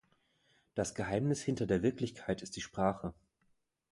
Das Geheimnis hinter der Wirklichkeit ist die Sprache.